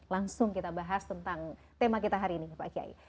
langsung kita bahas tentang tema kita hari ini pak kiai